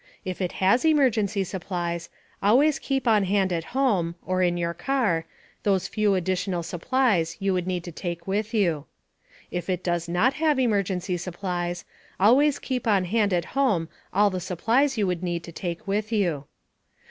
If it has emergency supplies, always keep on hand at home (or in your car) those few additional supplies you would need to take with you. If it does not have emergency supplies, always keep on hand at home all the supplies you would need to take with you.